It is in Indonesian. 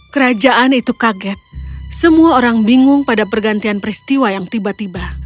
kerajaan itu kaget semua orang bingung pada pergantian peristiwa yang tiba tiba